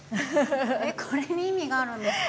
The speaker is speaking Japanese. これに意味があるんですか？